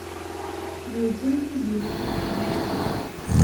Yuzen Tiziri s axxam.